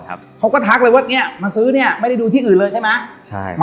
เขาก็ทักเลยว่าเนี้ยมาซื้อเนี้ยไม่ได้ดูที่อื่นเลยใช่ไหมใช่